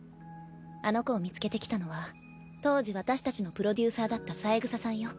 あの子を見つけてきたのは当時私たちのプロデューサーだった三枝さんよ。